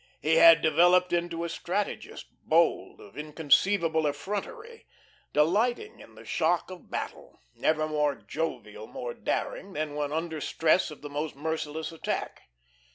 He had developed into a strategist, bold, of inconceivable effrontery, delighting in the shock of battle, never more jovial, more daring than when under stress of the most merciless attack.